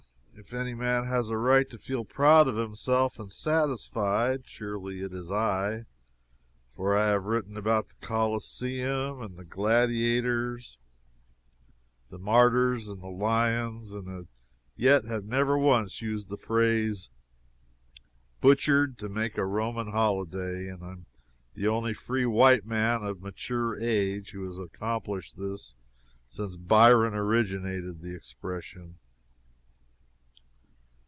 If any man has a right to feel proud of himself, and satisfied, surely it is I. For I have written about the Coliseum, and the gladiators, the martyrs, and the lions, and yet have never once used the phrase "butchered to make a Roman holiday." I am the only free white man of mature age, who has accomplished this since Byron originated the expression.